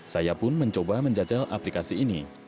saya pun mencoba menjajal aplikasi ini